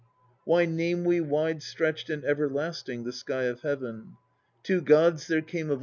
"Why name we Wide stretched and everlasting. The sky of heaven? Two gods 1 there came of old